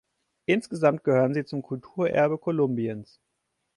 Insgesamt gehören sie zum Kulturerbe Kolumbiens.